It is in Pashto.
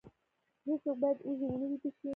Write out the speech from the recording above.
هیڅوک باید وږی ونه ویده شي.